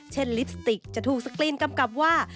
ลิปสติกจะถูกสกรีนกำกับว่า